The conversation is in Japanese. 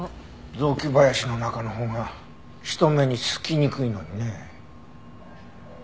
雑木林の中のほうが人目につきにくいのにね。